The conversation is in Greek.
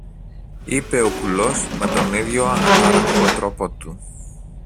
είπε ο κουλός με τον ίδιο ατάραχο τρόπο του